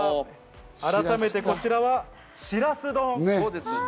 改めて、こちらはしらす丼。